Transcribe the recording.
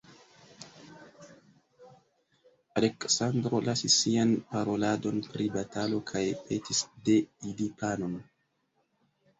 Aleksandro lasis sian paroladon pri batalo kaj petis de ili panon.